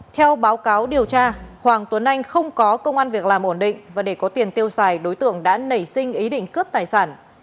theo báo cáo điều tra hoàng tuấn anh không có công an việc làm ổn định và để có tiền tiêu xài đối tượng đã nảy sinh ý định cướp tài sản